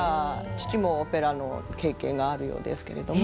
父もオペラの経験があるようですけれども。